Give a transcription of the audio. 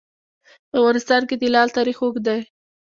په افغانستان کې د لعل تاریخ اوږد دی.